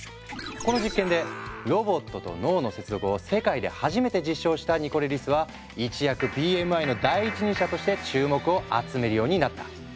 この実験でロボットと脳の接続を世界で初めて実証したニコレリスは一躍ＢＭＩの第一人者として注目を集めるようになった。